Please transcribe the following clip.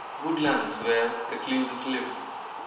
Woodlands — where recluses live.